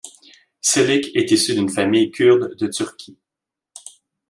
Çelik est issu d'une famille kurde de Turquie.